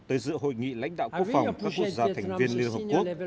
tới dự hội nghị lãnh đạo quốc phòng các quốc gia thành viên liên hợp quốc